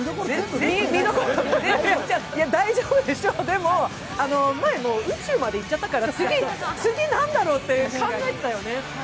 大丈夫でしょう、前もう宇宙まで行っちゃったから次、何だろうって考えたよね。